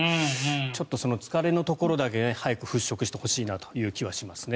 ちょっとその疲れのところだけ早く払しょくしてほしいなという気はしますね。